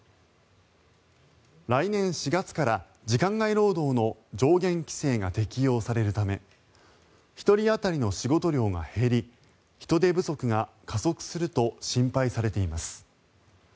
来年４月から時間外労働の上限規制が適用されるため１人当たりの仕事量が減り人手不足が加速すると心配されています。